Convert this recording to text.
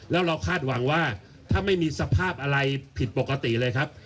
แล้วเราคาดหวังว่าถ้าไม่มีสภาพอะไรผิดปกติเลยครับ